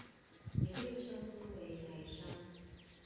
也被稱呼為台商